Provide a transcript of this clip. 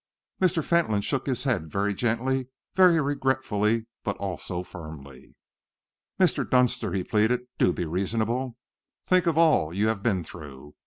Mr. Fentolin shook his head very gently, very regretfully, but also firmly. "Mr. Dunster," he pleaded, "do be reasonable. Think of all you have been through.